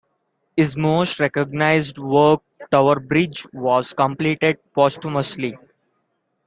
His most recognised work, Tower Bridge, was completed posthumously.